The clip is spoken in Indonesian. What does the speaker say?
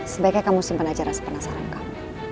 sebaiknya kamu simpan aja rasa penasaran kamu